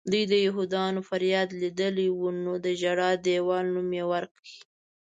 دوی د یهودیانو فریاد لیدلی و نو د ژړا دیوال نوم یې ورکړی.